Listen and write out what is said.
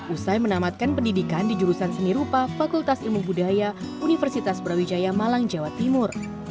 usai menamatkan pendidikan di jurusan seni rupa fakultas ilmu budaya universitas brawijaya malang jawa timur